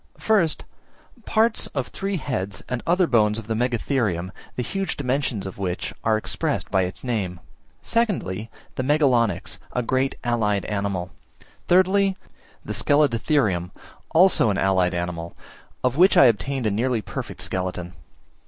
First, parts of three heads and other bones of the Megatherium, the huge dimensions of which are expressed by its name. Secondly, the Megalonyx, a great allied animal. Thirdly, the Scelidotherium, also an allied animal, of which I obtained a nearly perfect skeleton.